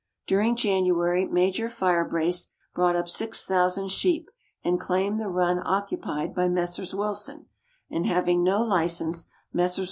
During January Major Firebrace brought up 6,000 sheep, and claimed the run occupied by Messrs. Wilson, and having no license, Messrs.